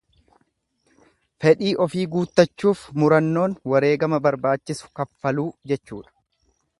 Fedhii ofii guuttachuuf murannoon wareegama barbaachisu kaffaluu jechuudha.